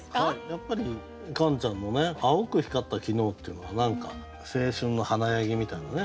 やっぱりカンちゃんの「青く光った昨日」っていうのが何か青春の華やぎみたいなね